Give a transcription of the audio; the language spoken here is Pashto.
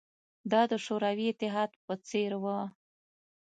دا د شوروي اتحاد په څېر وه